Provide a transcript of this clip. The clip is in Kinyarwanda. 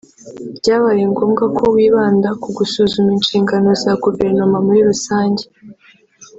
byabaye ngombwa ko wibanda ku gusuzuma inshingano za Guverinoma muri rusange